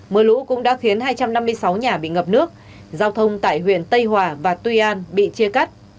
mưa lũ cũng đã khiến hai trăm năm mươi sáu nhà bị ngập nước giao thông tại huyện tây hòa và tuy an bị chia cắt